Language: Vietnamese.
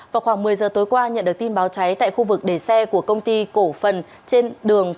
vào khoảng một mươi giờ tối qua nhận được tin báo cháy tại khu vực đề xe của công ty cổ phần trên đường